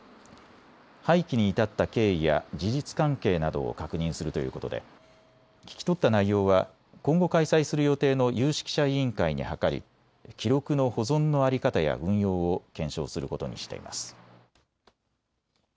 廃棄に至った経緯や事実関係などを確認するということで聞き取った内容は今後開催する予定の有識者委員会に諮り記録の保存の在り方や運用を検証することにしています。